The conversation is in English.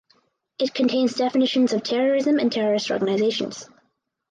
It contains definitions of terrorism and terrorist organizations.